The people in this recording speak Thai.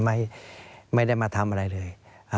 ไม่ได้มาทำอะไรเลย